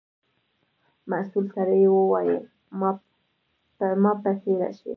مسؤل سړي و ویل په ما پسې راشئ.